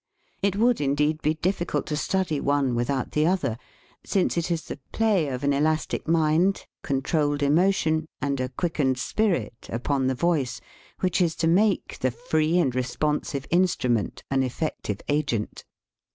It would, indeed, be difficult to study one with out the other, since it is the play of an elastic mind, controlled emotion, and a quickened spirit upon the voice which is to make the free and responsive instrument an effective agent.